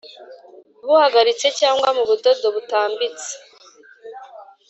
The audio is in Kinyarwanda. buhagaritse cyangwa mu budodo butambitse